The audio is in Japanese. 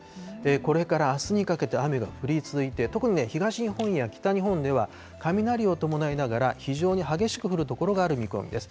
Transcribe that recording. これからあすにかけて雨が降り続いて、特に東日本や北日本では、雷を伴いながら非常に激しく降る所がある見込みです。